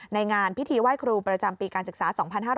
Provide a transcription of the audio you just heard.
ในงานพิธีไหว้ครูประจำปีการศึกษา๒๕๕๙